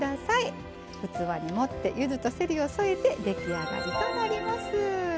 器に盛ってゆずとせりを添えて出来上がりとなります。